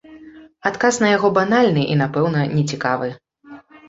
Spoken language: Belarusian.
Адказ на яго банальны і, напэўна, нецікавы.